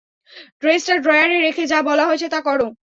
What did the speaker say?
ড্রেসটা ড্রয়ারে রেখে যা বলা হয়েছে তা কর।